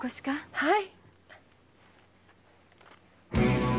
はい。